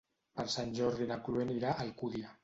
Per Sant Jordi na Chloé anirà a Alcúdia.